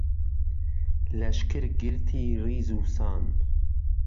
لهشکر گرتی ڕیز و سان